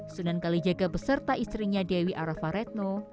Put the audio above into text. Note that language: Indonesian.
sunan kalijaga beserta istrinya dewi arafa retno